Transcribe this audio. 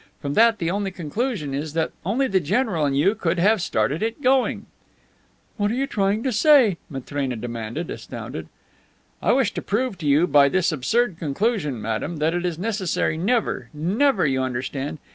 From that the only conclusion is that only the general and you could have started it going." "What are you trying to say?" Matrena demanded, astounded. "I wish to prove to you by this absurd conclusion, madame, that it is necessary never never, you understand?